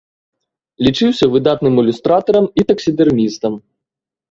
Лічыўся выдатным ілюстратарам і таксідэрмістам.